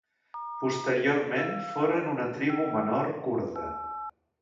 Posteriorment foren una tribu menor kurda.